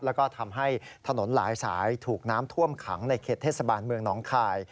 แล้วก็ทำให้ถนนหลายสายถูกน้ำท่วมขังในเขตเทศบาลเมืองหนองคาย